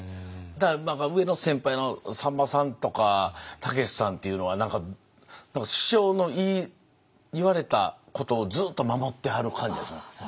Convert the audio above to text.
だから上の先輩のさんまさんとかたけしさんっていうのは何か師匠の言われたことをずっと守ってはる感じがしますよね。